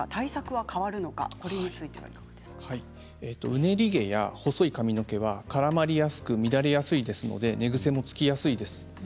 うねり毛や細い髪の毛は絡まりやすく乱れやすいですので寝ぐせもつきやすいです。